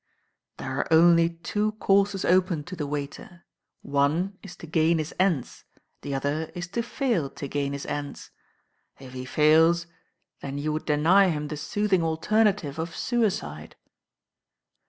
"There are only two counet open to the waiter: one it to gain his ends, the other is to fail to gain his ends. If he fails, then you would deny him the soothing alternative of suicide."